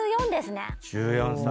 １４歳。